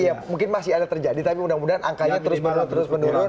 ya mungkin masih ada terjadi tapi mudah mudahan angkanya terus menerus menurun